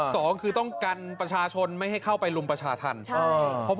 สองคือต้องกันประชาชนไม่ให้เข้าไปรุมประชาธรรม